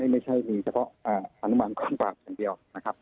ไม่ใช่มีเฉพาะฝ่ายสืบสวนของกองปราบอย่างเดียวนะครับ